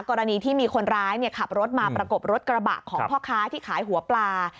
กรณีที่มีคนร้ายขับรถมาประกบรถกระบะของพ่อค้าที่ขายหัวปลา